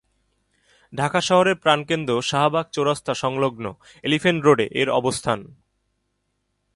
ঢাকা শহরের প্রাণকেন্দ্র শাহবাগ চৌরাস্তা সংলগ্ন এলিফ্যান্ট রোডে এর অবস্থান।